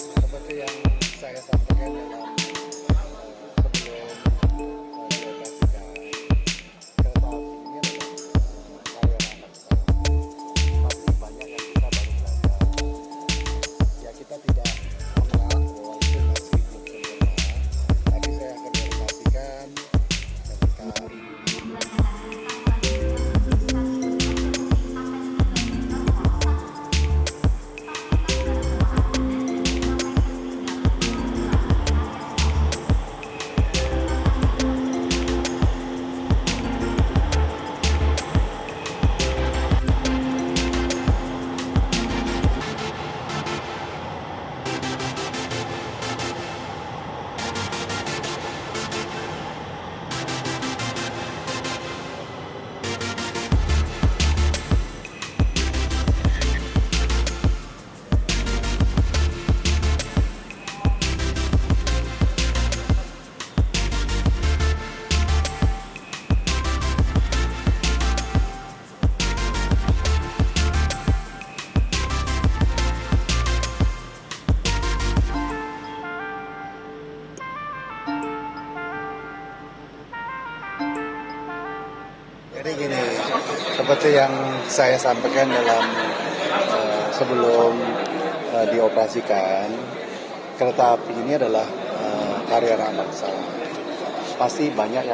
hai jadi gini seperti yang saya sampaikan dalam sebelumnya